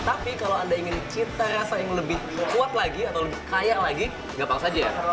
tapi kalau anda ingin cita rasa yang lebih kuat lagi atau lebih kaya lagi gampang saja ya